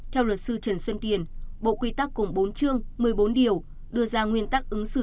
theo luật sư trần xuân tiền bộ quy tắc cùng bốn chương một mươi bốn điều đưa ra nguyên tắc ứng xử